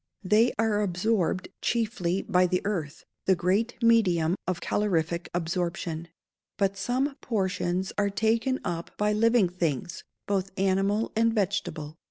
_ They are absorbed chiefly by the earth, the great medium of calorific absorption; but some portions are taken up by living things, both animal and vegetable.